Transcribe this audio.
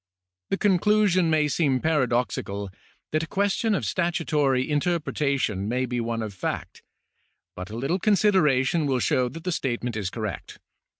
The conclusion may seem paradoxical that a question of statutory in terpretation may be one of fact, but a little consideration will show that the statement is correct.